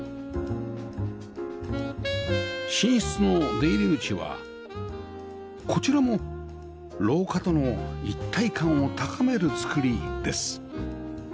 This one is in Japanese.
寝室の出入り口はこちらも廊下との一体感を高める造りです